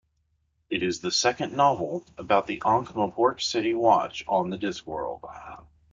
It is the second novel about the Ankh-Morpork City Watch on the Discworld.